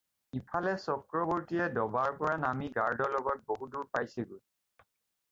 ইফালে চক্ৰবৰ্তীয়ে ডবাৰ পৰা নামি গাৰ্ডৰ লগত বহুদূৰ পাইছেগৈ।